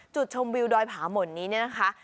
จุดชมวิวดอยผาหม่นนี้นะคะ